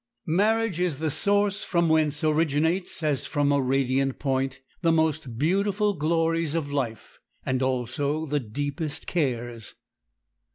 Marriage is the source from whence originates, as from a radiant point, the most beautiful glories of life, and also the deepest cares.